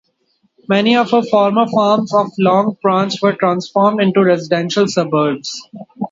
Many of the former farms of Long Branch were transformed into residential suburbs.